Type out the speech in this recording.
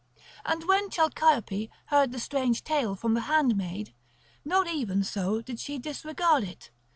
And when Chalciope heard the strange tale from the handmaid, not even so did she disregard it.